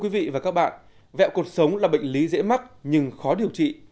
và các bạn vẹo cuộc sống là bệnh lý dễ mắc nhưng khó điều trị